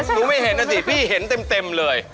ไม่เห็นนะสิพี่เห็นเต็มเลย